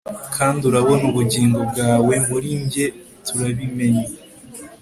kandi urabona ubugingo bwawe muri njye, turabimenye